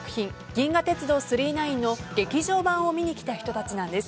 「銀河鉄道９９９」の劇場版を見に来た人たちなんです。